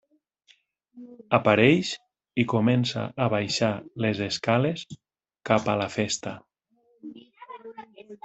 Apareix i comença a baixar les escales cap a la festa.